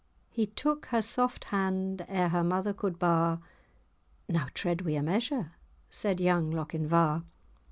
He took her soft hand, ere her mother could bar, "Now tread we a measure!" said young Lochinvar.